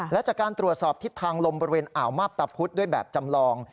และจากการตรวจสอบทิศทางลมบริเวณอ่าวมาบตะพุธด้วยแบบจำลอง